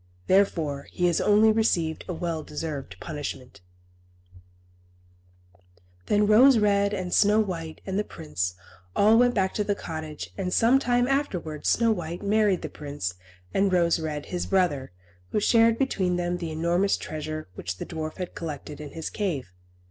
Therefore he has only received a well deserved punishment." [Illustration: "THE BEARSKIN SLIPPED TO THE GROUND."] Then Rose Red and Snow White and the Prince all went back to the cottage, and some time afterwards Snow White married the Prince, and Rose Red, his brother, who shared between them the enormous treasure which the dwarf had collected in his cave.